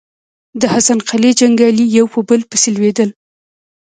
د حسن قلي جنګيالي يو په بل پسې لوېدل.